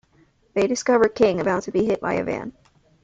They discover King about to be hit by a van.